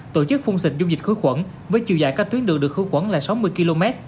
tổ chức phun xịt dung dịch khứa khuẩn với chiều dài các tuyến đường được khứa khuẩn là sáu mươi km